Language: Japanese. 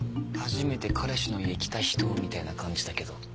初めて彼氏の家来た人みたいな感じだけど。